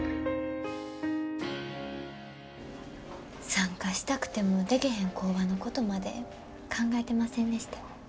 参加したくてもでけへん工場のことまで考えてませんでした。